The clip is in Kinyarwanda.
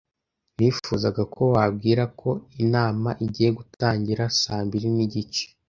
Nifuzaga ko wabwira ko inama igiye gutangira saa mbiri nigice.